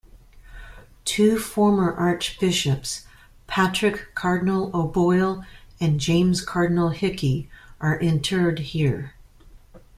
Two former archbishops, Patrick Cardinal O'Boyle and James Cardinal Hickey, are interred here.